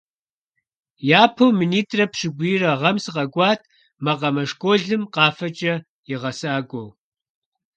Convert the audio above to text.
Япэу минитӀрэ пщӀыкӀуирэ гъэм сыкъэкӀуат макъамэ школым къафэмкӀэ и гъэсакӀуэу.